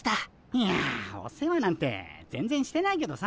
いやお世話なんて全然してないけどさ。